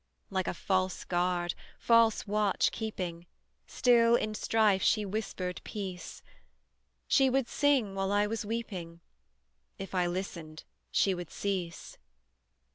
Like a false guard, false watch keeping, Still, in strife, she whispered peace; She would sing while I was weeping; If I listened, she would cease.